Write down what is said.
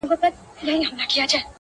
مه مو شمېره پیره په نوبت کي د رندانو!